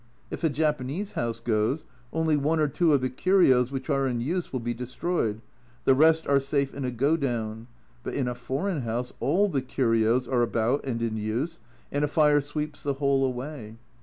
If a Japanese house goes, only one or two of the curios which are in use will be destroyed, the rest are safe in a " go down," but in a foreign house all the curios are about and in use, and a fire sweeps the whole away.